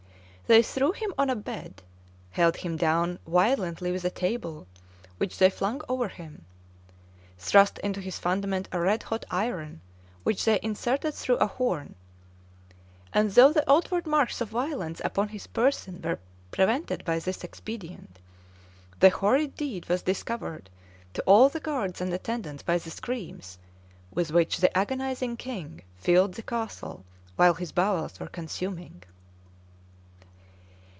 They threw him on a bed; held him down violently with a table, which they flung over him; thrust into his fundament a red hot iron, which they inserted through a horn; and though the outward marks of violence upon his person were prevented by this expedient, the horrid deed was discovered to all the guards and attendants by the screams with which the agonizing king filled the castle while his bowels were consuming.